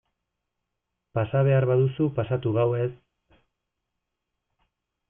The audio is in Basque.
Pasa behar baduzu pasatu gauez...